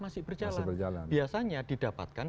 masih berjalan biasanya didapatkan